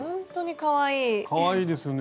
かわいいですね。